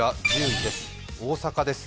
１０位です、大阪です。